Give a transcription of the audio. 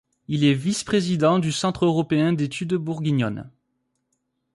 Il est vice-président du Centre Européen d’Études Bourguignonnes.